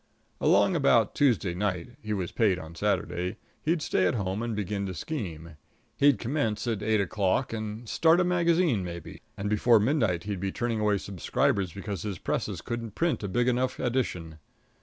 Along about Tuesday night he was paid on Saturday he'd stay at home and begin to scheme. He'd commence at eight o'clock and start a magazine, maybe, and before midnight he'd be turning away subscribers because his presses couldn't print a big enough edition.